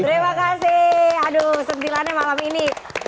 terima kasih aduh sentilannya malam ini